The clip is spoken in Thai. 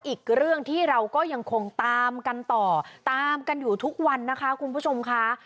อีกเรื่องที่เราก็ยังคงตามกันต่อตามกันอยู่ทุกวันนะคะคุณผู้ชมค่ะ